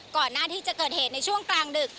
ก่อนหน้าที่จะเกิดเหตุในช่วงกลางดึก